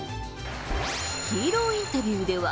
ヒーローインタビューでは。